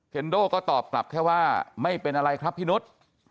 โดก็ตอบกลับแค่ว่าไม่เป็นอะไรครับพี่นุษย์